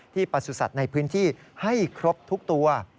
ที่ประสุนักในพื้นที่ให้ครบทุกตัว